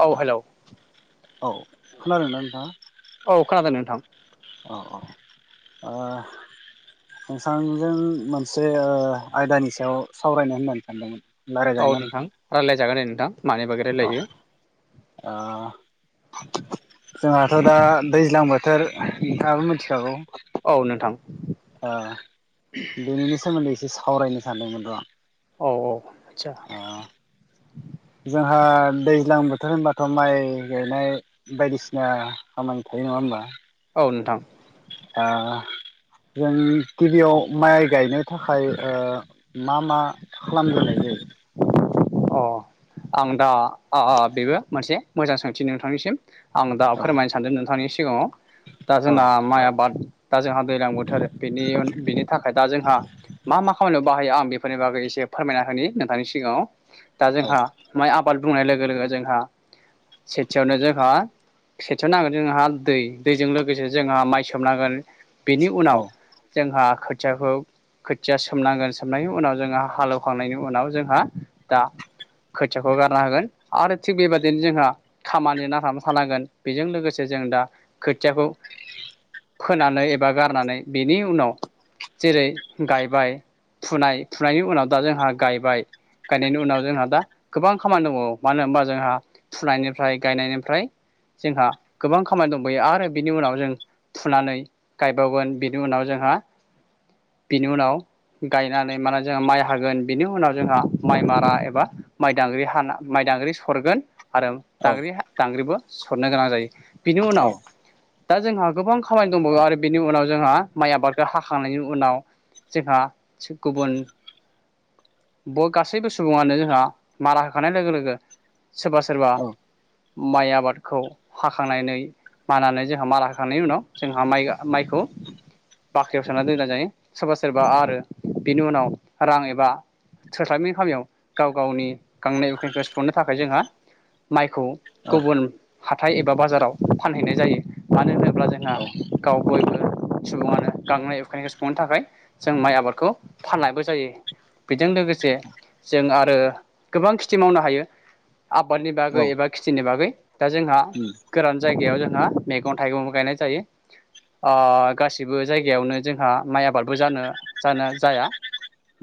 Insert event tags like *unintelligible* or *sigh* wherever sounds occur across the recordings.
औ हेलौ *inaudible* औ खोनादों ना नोंथाङा? औ खोनादों नोंथां। अ अ ओ नोंथांजों मोनसे ओ आयदानि सायाव सावरायनो होननानै सानदोंमोन। औ नोंथां रायलाय जागोन दे। नोंथां मानि बागै अ रायलायो ओ जोंहाथ' दा दैज्लां बोथ थोर नोंथाङाबो मिथिखागौ। औ नोंथां *inaudible* आ बेएनिनो सोमोन्दै एस सावरायनो सानदोंमोन र' आं। अ औ। आतसा। *inaudible* हा दैज्लां बोथोर होनबाथ' माइ गायनाय बायदिसिना खामानि थायो नङा होमबा? औ नोंथां। ओ जों गिबियाव माइ गायनो थाखाय ओ मा मा खालामग्रोनाय जायो? अ आं दा ओ बेबो मोनसे मोजां सोंथि नोंथांनिसिम। आं दा फोरमायनो सानदों नोंथांनि सि सिगाङाव दा औ जोंना माइ आबाद दा जोंहा दैलां बोथोर बेनि उन बिनि थाखाय दा जोंहा मा मा खामानियाव बाहायो आ बेफोरनि बागै एसे फोरमायना होनि नोंथांनि सिगाङाव। दा औ जोंहा माइ आब बाद बुंनाय लोगो लोगो जोंहा सेथियावनो जोंहा सेथियाव नांगोन जोंहा दै दैजों लोगोसे जोंहा माइ सोमनांगोन। बेनि उनाव औ जोंहा खोथियाखौ खोथिया सोमनांगोन सोमनायनि उनाव जोंहा हालेवखांनायनि उनाव जोंहा दा खोथियाखौ गारना होगोन आरो थिग बेबादिनो जोंहा खामानि नांथाब थानांगोन बेजों लोगोसे जों दा खोथियाखौ फोनानै एबा गारनानै बेनि उनाव जेरै गायबाय फुनाय फुनायनि उनाव दा जोंहा गायबाय गायनायनि उनाव जोंहा दा गोबां खामानि दंबावो मानो होनबा जोंहा फुनायनिफ्राय गायनायनिफ्राय जोंहा गोबां खामानि दंबायो आरो बिनि उनाव जों फुनानै गायबावगोन बिनि उनाव जोंहा बिनि उनाव गायनानै माने जोंहा माइ हागोन बिनि उनाव जोंहा माइ मारा एबा माइदांग्रि हाना माइदांग्रि सरगोन। आरो औ दांग्रि हा दांग्रिबो सरनो गोनां जायो। बिनि उनाव औ दा जोंहा गोबां खामानि दंबावो आरो बेनि उनाव जोंहा माइ आबादखौ हाखांनायनि उनाव जोंहा गुबुन ब गासैबो सुबुङानो जोंहा मारा होखानाय लोगो लोगो सोरबा सोरबा औ माइ आबादखौ हाखांनानै मानानै जोंहा मारा हाखांनायनि उनाव जोंहा माइ माइखौ बाख्रियाव सोननानै दोननाय जायो सोरबा सोरबा आरो बिनि उनाव रां एबा थोस्लाबिनि खामियाव गाव गावनि गांनाय उखैनायखौ सुफुंनो थाखाय जोंहा माइख खौ गुबुन हा हाथाय एबा बाजाराव फानहैनाय जायो मानो होनोब अब्ला जोंहा औ गाव बयबो सुबुङानो गांनाय उखैनायखौ सुफुंनो थाखाय जों माइ आबादखौ फाननायबो जायो। बेजों लोगोसे जों आरो गोबां खेथि मावनो हायो। आबादनि औ बागै एबा खेथिनि बागै दा जोंहा उम गोरान जायगायाव जों जोंहा मैगं थाइगंबो गायनाय जायो अ गासिबो जायगायावनो जोंहा माइ आबादबो जानो जानो जाया।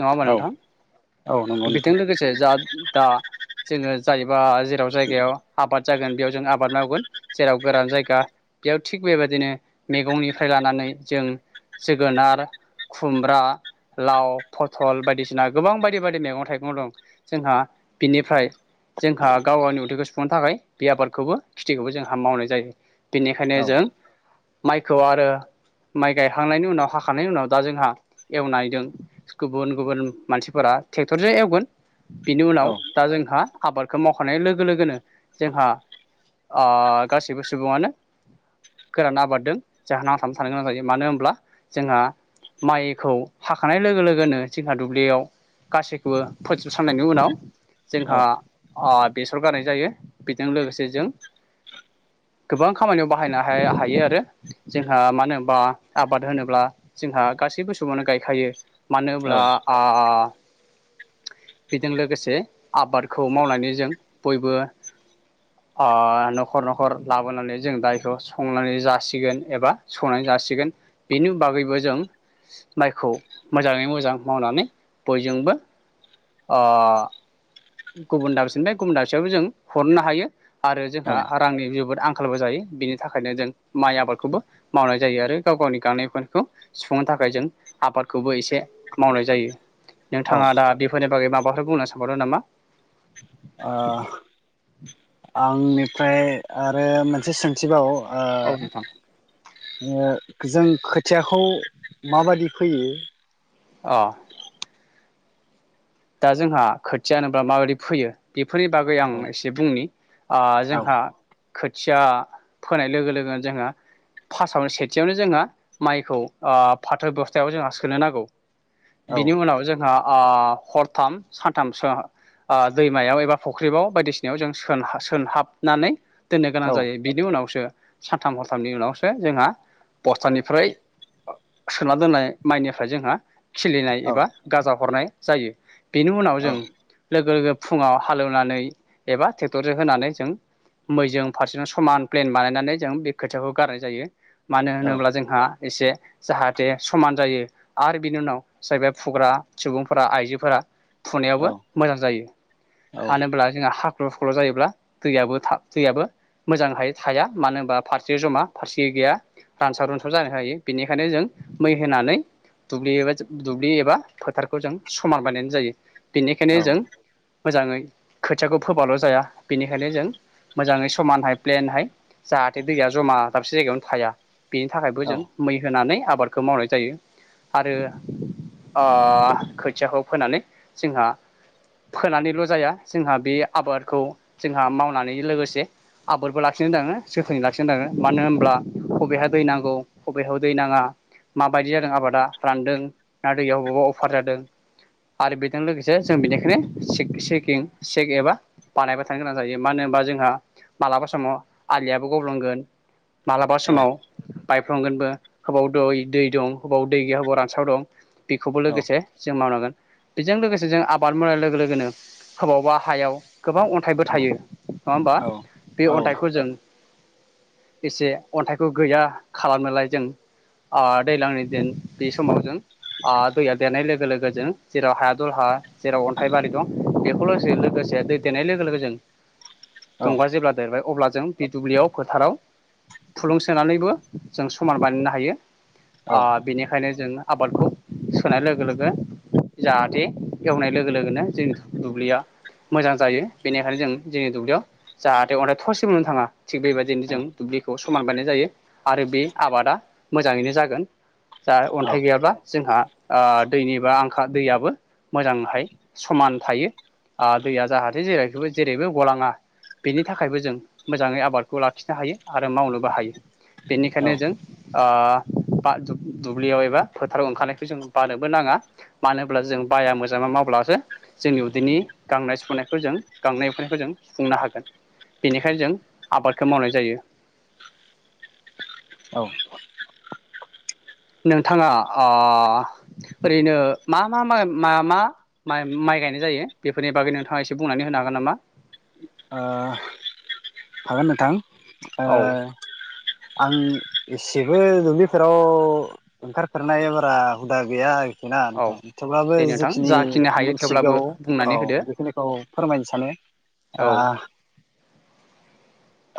नङाबा औ नोंथां औ नंगौ बेजों नोंथां लोगोसे जा दा जोङो जाहैबाय जेराव जायगायाव आबाद जागोन बेयाव जों आबाद मावगोन जेराव गोरान जायगा बेयाव थिग बेबायदिनो मैगंनिफ्राय लानानै जों जोगोनार खुमब्रा लाव फथल बायदिसिना गोबां बायदि बायदि मैगं थाइगं दं जोंहा बिनिफ्राय जोंहा गाव गावनि उदैखौ सुफुंनो थाखाय बे आबादखौबो खेथिखौबो जोंहा मावनाय जायो बेनिखायनो औ जों माइखौ आरो माइ गायखांनायनि उनाव हाखांनायनि उनाव दा जोंहा एवनायजों गुबुन गुबुन मानसिफोरा ट्रेक्टरजों एवगोन बिनि औ उनाव दा जोंहा आबादखौ मावखानाय लोगो लोगोनो जोंहा ओ गासैबो सुबुङानो गोरान आबाददों जोंहा नांथाबना थानो गोनां जायो मानो होनब्ला जोंहा माइखौ हाखानाय लोगो लोगोनो जोंहा दुब्लियाव गासैखौबो फोजोबस्रांनायनि उनाव जोंहा बेसर गारनाय जायो बेजों लोगोसे जों गोबां खामानियाव बाहायनो हायो आरो जोंहा मानो होनबा आबाद होनोब्ला जोंहा गासैबो सुबानो गायखायो मानो औ होनब्ला अ बेजों लोगोसे आबादखौ मावनानै जों बयबो अ न'खर न'खर लाबोनानै जों दायखौ संनानै जासिगोन एबा सौनानै जासिगोन बेनि बागैबो जों माइखौ मोजाङै मोजां मावनानै बयजोंबो अ गुबुन दाबसेनिफ्राय गुबुन दाबसेयावबो जों हरनो हायो आरो औ जोंहा रांनि जोबोद आंखालबो जायो बेनि थाखायनो जों माइ आबादखौबो मावनाय जायो आरो गाव गावनि गांनाय उनायखौ सुफुंनो थाखाय जों आबादखौबो एसे मावनाय जायो ओ नोंथाङा दा बेफोरनि बागै माबाफोर बुंनो सानहरो नामा? बेनिफ्राय आरो मोनसे सोंथिबाव ओ औ नोंथां ओ जों खोथियाखौ माबादि फोयो। अ दा जोंहा खोथिया होनोब्ला माबोरदि फैयो बेफोरनि बागै आं औ एसे बुंनि अ औ जोंहा खो खोथिया फोनाय लोगो लोगोनो जोंहा फार्टआवनो सेथियावनो जोंहा माइखौ ओ फाथो बस्थायाव जोंहा सोनो नांगौ औ बिनि उनाव जोंहा अ हरथाम सानथाम सो ओ दैमायाव एबा फुख्रिबाव बायदिसिनायाव जों सो-सोनहाबनानै दोननो गोनां औ जायो बिनि उनावसो सानथाम हरथामनि उनावसो जोंहा बस्थानिफ्राय सोना दोननाय माइनिफ्राय जोंहा खिलिनाय औ एबा गाजा हरनाय जायो बेनि उनाव औ जों लोगो लोगो फुङाव हालेवनानै एबा ट्रेक्टरजों होनानै जों मैजों फारसेजों समान प्लेन बानायनानै जों बे खोथियाखौ गारनाय जायो। मानो औ होनोब्ला जोंहा एसे जाहाथे समान जायो आरो बिनि उनाव जायबा फुग्रा सुबुंफोरा आइजो फोरा औ फुनायावबो मोजां जायो मानोब्ला जोंहा हा *unintelligible* जायोब्ला दैयाबो- था दैयाबो मोजांहाय थाया मानो होनबा फारसे जमा फारसे गैया रानसाव रुनसाव जानो हायो बेनिखायनो जों मै होनानै दुब्लि एबा फोथारखौ जों स मान बायनायनाय जायो। बेनिखायनो औ जों मोजाङै खोथियाखौ फोबाल' जाया बेनिखायनो जों मोजाङै समानहाय प्लेनहाय जाहाथे दैया जमा दाबसे जायगायावनो थाया बेनि थाखायबो जों मै होनानै आबादखौ मावनाय जायो आरो ओ खोथियाखौ फोनानै जोंहा फोनानैल' जाया जोंहा बे आबादखौ जोंहा मावनानै लोगोसे आबारबो लाखिनो थाङो जोथोनै लाखिनो थाङो मानो होनब्ला बबेहा दै नांगौ बबेहा दै नाङा माबायदि जादों आबादा रानदों ना दैयाव बबेबा अफार जादों आरो बेजों लोगोसे जों बेनिखायनो चिक-चिकिं चेक एबा बानायबाय थानो गोनां जायो मानो होनबा जोंहा मालाबा समाव आलियाबो गब्लंगोन मालाबा समाव ताय गोनबो हबाव दै- दै दं हबाव दै गैया हबाव रानस्राव दं बेखौबो औ लोगोसे मावनांगोन बेजों लोगोसे जों आबाद मावनाय लोगो - लोगोनो होबावबा हायाव गोबां अन्थाइबो थायो नङा होमबा बे अन्थाइखौ जों एसे अन्थाइखौ गैया खालामनोलाय जों दैज्लांनि दिन बे समाव जों ओ दैया देरनाय लोगो लोगो लोगो जों जेराव हाया दलहा जेराव अन्थाइबारि दं बेखौलसे लोगोसे दै थेनाय लोगो लोगो जों दंगया जेब्ला देरबाय अब्ला जों बे दुब्लियाव फोथाराव थुलुंसोनानैबो जों समान बानायनो हायो अ बेनिखायनो जों आबादखौ सोनाय लोगो लो गो जाहाथे एवनाय लोगो लोगोनो जोंनि फु दुब्लिया मोजां जायो बेनिखायनो जों जोंनि दुब्लियाव जाहाथे अन्थाइ थरसेबो नुनो थाङा थिग बेबायदिनो जों दुब्लिखौ समान बाननाय जायो आरो बे आबादा मोजाङैनो जागोन जा अन्थाइ औ गैयाब्ला जोंहा आ दैनि बो आंखाल दैयाबो मोजांहाय समान थायो आ दैया जाहाथे जेरैखैबो जेरैबो गलाङा बेनि थाखायबो जों मोजाङै आबादखौ लाखिनो हायो आरो मावनोबो हायो। बेनिखायनो जों आ बा दु-दुब्लियाव एबा फोथाराव ओंखारनायखौ जों बानो बो नाङा मानो होनब्ला जों बाया मोजोमा मावब्लासो जोंनि उदैनि गांनाय सुफुंनायखौ जों गांनाय उखैनायखौ जों सुफुंनो हागोन बिनिखायनो जों आबादखौ मावनाय जायो। औ नोंथाङा अ ओरैनो मा-मा-माइ-मा-मा-माइ-माइ गायनाय जायो बेफोरनि बागै नोंथाङा एसे बुंनानै होनो हागोन नामा? ओ हागोन नोंथां ओ औ आं इसेबो दुब्लिफोराव ओंखारफेरनाय बारा हुदा गैया *unintelligible* *unintelligible* औ नोंथां थेवब्लाबो दे नोंथां जिखिनि जाखिनि हायो थेवब्लाबो मोनथिगौ औ बुंनानै होदो बेखिनिखौ फोरमायनो सानो औ आह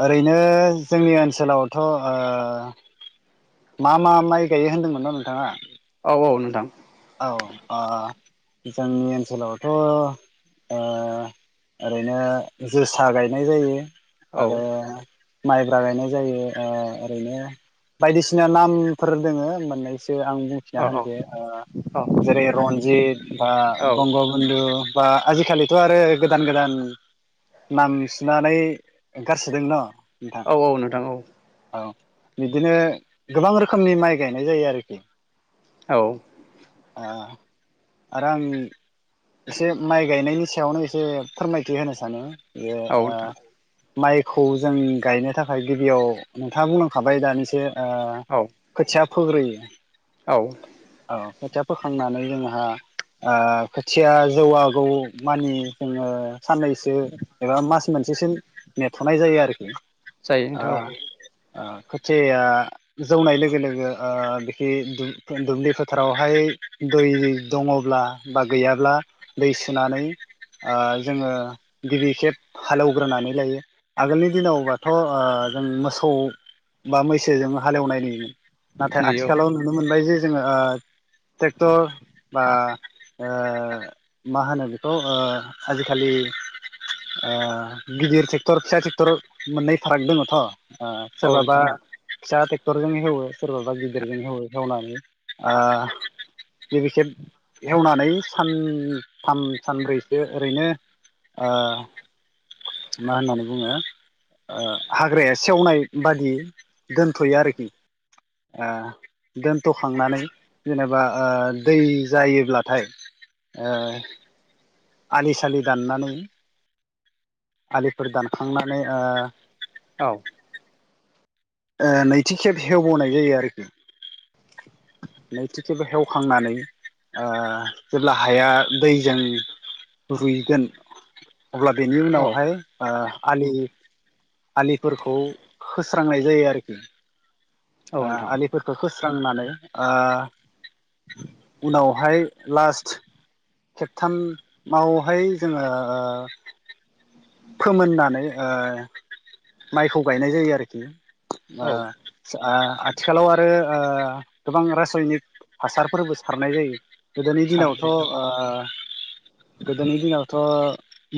ओरैनो जोंनि ओनसोलावथ'ओ मा मा माइ गायो होनदोंमोनन' नोंथाङा? औ औ नोंथां। औ ओ जोंनि ओनसोलावथ' ओ ओरैनो जोसा गायनाय जायो। औ आरो। माइब्रा गायनाय जायो ओ ओरैनो बायदिसिना नामफोर दोङो मोननै सो आं बुंथिना औ होनसै ओ। औ जेरै रनजित बा औ बंग बुन्धु। *inaudible* बा आजिखालिथ' आरो गोदान गोदान नाम सुनानै ओंखारसोदों न? औ औ नोंथां औ। औ बिदिनो गोबां रोखोमनि माइ गायनाय जायो आरोखि। औ। ओ आरो आंनि इसे माइ गायनाय सायावनो एसे फोरमायथि होनो सानो। बेयो औ ओ। नोंथां माइखौ जों गायनो थाखाय गिबियाव नोंथाङा बुंलांखाबाय दानिसो। ओ औ खोथिया फोग्रोयो। औ खोथिया फोखांनानै जोंहा ओ खोथिया जौवागौ मानि जोंङो साननैसो एबा मास मोनसेसिम नेथ'नाय जायो आरोखि। जायो ओ नोंथां औ। ओ खोथिया या जौनाय लोगो लोगो ओ बिखि दु दुब्लि फो थारावहाय दै दङब्ला बा गैयाब्ला दै सोनानै ओ जोंङो गिबि खेब हालेवग्रोनानै लायो आगोलनि दिनावबाथ' ओ जों मोसौ बा मैसोजों हालेवनाय नुयोमोन। नाथाय नुयो आथिखालाव नुनो मोनबाय जे जोंङो ओ। टेक्टर बा ओ मा होनो बेखौ ओ आजिखालि ओ गिदिर टेक्टर फिसा टेक्टर मोननै फाराग दोङोथ। ओ औ सोर बाबा नोंथां फिसा टे क्टरजों एवो सोरबाबा गिदिरजों एवो एवनानै। ओ। लोगोसे एवनानै। सानथाम सानब्रैसो ओरैनो ओ मा होननानै बुंङो ओ हाग्राया सेवनाय बादि दोनथ'यो आरोखि ओ दोनथ'खांनानै जेनेबा ओ दै जायोब्लाथाय ओ आलि सालि दाननानै आलिफोर दानखांनानै ओ। औ। ओ नैथि खेब हेवबोनाय जायो आरोखि। नैथि खेब हेवखांनानै ओ जेब्ला हाया दै जों रुयगोन अब्ला बेनि औ उनावहाय ओ। आलि आलिफोरखौ खोस्रांनाय जायो आरोखि। औ ओ नोंथां आलिफोरखौ खो स्रांनानै ओ उनावहाय लासट खेबथामावहाय जोंङो ओ फोमोननानै ओ माइखौ गायनाय जायो आरोखि ओ औ *unintelligible* आथिखालाव आरो ओ गोबां रासायनिक हासारफोरबो सारनाय जायो। गोदोनि सारनाय दिनावथ' ओ जायो गोदोनि दिनावथ'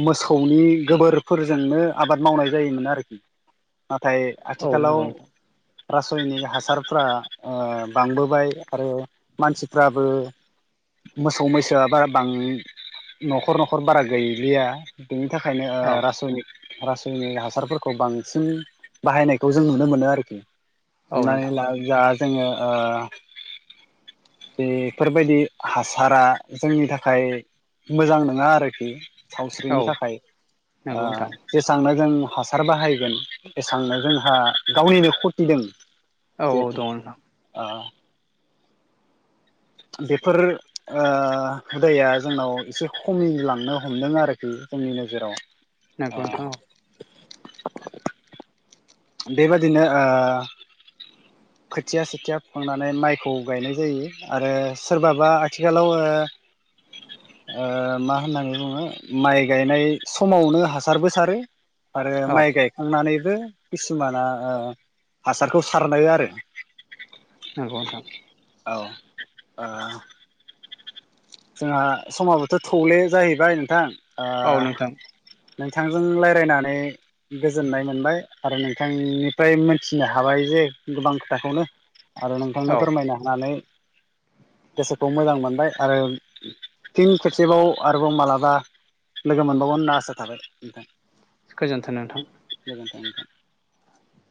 मोसौनि गोबोरफोरजोंनो आबाद मावनाय जायोमोन आरो *inaudible* नाथाय औ औ आथिखालाव नंगौ नोंथां रासायनिक हासारफ्रा ओ बांबोबाय आरो मानसिफ्राबो मोसौ मैसोआबो बारा बां न'खर न'खर बारा गैलिया। बिनि थाखायनो ओ औ रासायनिक रासायनारि हासारफोर खौ बांसिन बाहायनायखौ जों नुनो मोनो आरोखि औ हमनानै नोंथां ला जा जोङो ओ बेफोरबायदि हासारा जोंनि थाखाय मोजां नङा आरोखि औ सावस्रिनि थाखाय ओ नंगौ नोंथां जेसेबांनो जों हास सार बाहायगोन एसेबांनो जोंहा गावनिनो खथिदों औ औ बेथ' दङ नोंथां ओ बेफोर ओ हुदाया जोंनाव एसे खमिलांनो हमदों आरोखि जोंनि नोजोराव नोंगौ नोंथां ओ औ बेबादिनो ओ खोथिया सेथिया फोखांनानै माइखौ गायनाय जायो आरो सोरबाबा आथिखालाव ओ ओ मा होननानै बुङो माइ गायनाय समावनो हासारबो सारो आरो औ माइ गायखांनानै बे किसुमाना ओ हासारखौ सारनाय आरो नंगौ नोंथां औ ओ जोंहा समाबोथ' थौले जाहैबाय नोंथां औ नोंथां ओ नोंथांजों रायलायनानै गोजोननाय मोनबाय आरो नोंथांनिफ्राय मोनथिनो हाबाय जे गोबां खोथाखौनो आरो नोंथांनो औ फोरमायनो हानानै गोसोखौ मोजां मोनबाय आरो थिं खेबसेबाव आरोबाव मालाबा लोगो मोनबावगोन होनना आसा थाबाय नोंथां गोजोन्थों नोंथां *unintelligible*